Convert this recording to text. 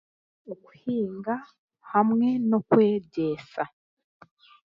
Okuhinga hamwe n'okwegyesa